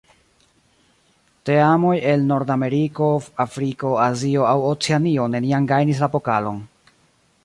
Teamoj el Nordameriko, Afriko, Azio aŭ Oceanio neniam gajnis la pokalon.